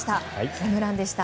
ホームランでした。